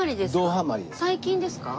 最近ですか？